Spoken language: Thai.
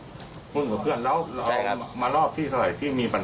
มันเป็นหุ้นมาหัวที่เกี่ยวไหมหัวที่ที่ไหน